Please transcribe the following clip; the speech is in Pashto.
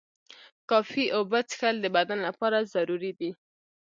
کافی اوبه څښل د بدن لپاره ضروري دي.